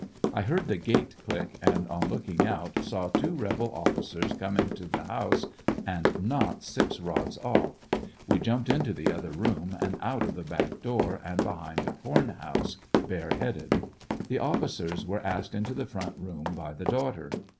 I heard the gate click, and on looking out saw two rebel ofiicers coming to the house and not six rods off. We jumped into the other room and out of the back door and behind a corn house, bare headed. The officers were asked into the front room by the daughter.